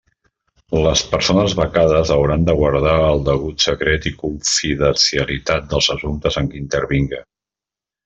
Les persones becades hauran de guardar el degut secret i confidencialitat dels assumptes en què intervinga.